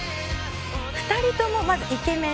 ２人ともまずイケメン。